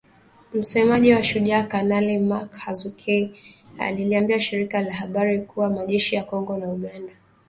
Msemaji wa Shujaa, Kanali Mak Hazukay aliliambia shirika la habari kuwa majeshi ya Kongo na Uganda yalitia saini Juma mosi